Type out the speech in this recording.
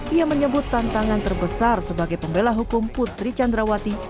ia menyebut tantangan terbesar sebagai pembela hukum putri candrawati